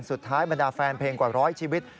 สุดท้ายบรรดาแฟนเพลงกว่าร้อยชีวิต